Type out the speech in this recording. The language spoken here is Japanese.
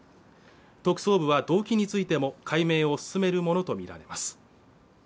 特捜部は動機についても解明を進めるものと見られます